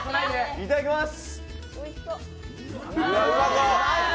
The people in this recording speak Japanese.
いただきます！